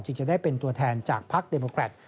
จะได้เป็นตัวแทนจากพักเดโมแครต